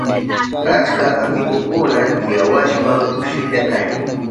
Achka amigukuna tiyawashpan kushilla kani.